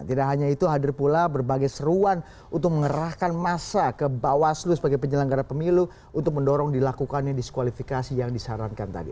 tidak hanya itu hadir pula berbagai seruan untuk mengerahkan masa ke bawaslu sebagai penyelenggara pemilu untuk mendorong dilakukannya diskualifikasi yang disarankan tadi